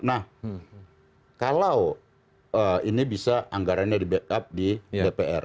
nah kalau ini bisa anggarannya di backup di dpr